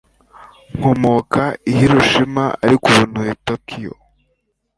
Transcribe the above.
Nkomoka i Hiroshima, ariko ubu ntuye Tokiyo.